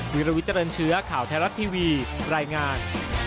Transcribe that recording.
วิลวิเจริญเชื้อข่าวไทยรัฐทีวีรายงาน